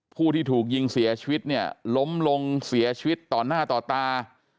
ผู้ที่ถูกยิงเสียชีวิตเนี่ยล้มลงเสียชีวิตต่อหน้าต่อตา